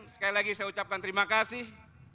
sekali lagi saya ucapkan terima kasih